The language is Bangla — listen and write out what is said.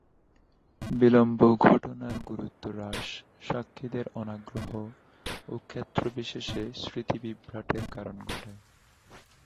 বিলম্ব ঘটনার গুরুত্ব হ্রাস, সাক্ষীদের অনাগ্রহ ও ক্ষেত্রবিশেষে স্মৃতিবিভ্রাটের কারণ ঘটায়।